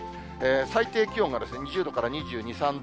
最低気温が２０度から２２、３度。